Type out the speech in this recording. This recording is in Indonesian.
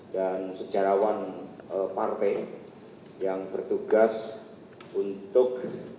dan sejarawan partai yang bertugas untuk